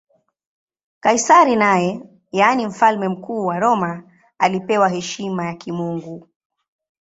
Kaisari naye, yaani Mfalme Mkuu wa Roma, alipewa heshima ya kimungu.